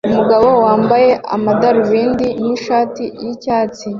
Umugabo wambaye amadarubindi nishati yicyatsi